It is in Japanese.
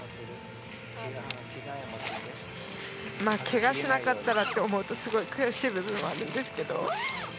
けがしなかったらと思うとすごい悔しい部分はあるんですけど。